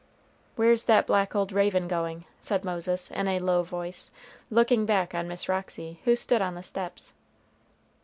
"Where's that black old raven going?" said Moses, in a low voice, looking back on Miss Roxy, who stood on the steps.